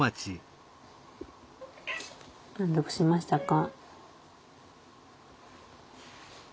満足しましたか？